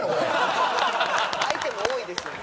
アイテム多いですよね。